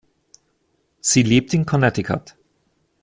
Sie lebt in Connecticut.